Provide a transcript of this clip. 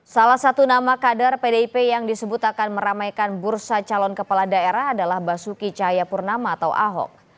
salah satu nama kader pdip yang disebut akan meramaikan bursa calon kepala daerah adalah basuki cahayapurnama atau ahok